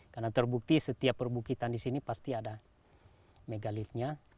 karena terbukti setiap perbukitan di sini pasti ada megalitnya